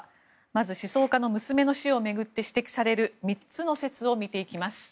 まず、思想家の娘の死を巡って指摘される３つの説を見ていきます。